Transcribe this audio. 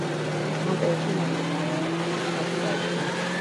ამ პერიოდში მარია ანამ სულ შვიდი ბავშვი გააჩინა.